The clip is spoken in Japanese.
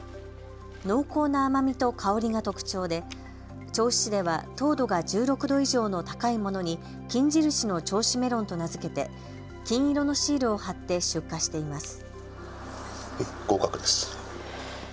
濃厚な甘みと香りが特徴で銚子市では糖度が１６度以上の高いものに金印の銚子メロンと名付けて金色のシールを貼って出荷しています。